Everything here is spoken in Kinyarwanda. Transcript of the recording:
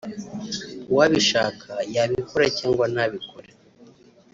uwabishaka yabikora cyangwa ntabikore